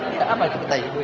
ya apa itu